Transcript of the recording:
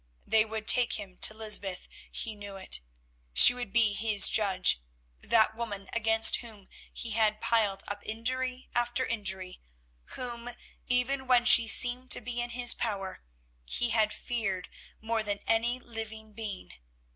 ... They would take him to Lysbeth, he knew it; she would be his judge, that woman against whom he had piled up injury after injury, whom, even when she seemed to be in his power, he had feared more than any living being.